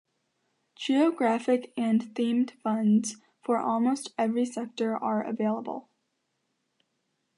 Geographic and themed funds for almost every sector are available.